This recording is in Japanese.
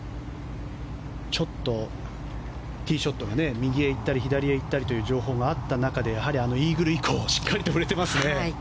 ちょっとティーショットが右へ行ったり左へ行ったりという情報があった中でイーグル以降しっかりと振れていますね。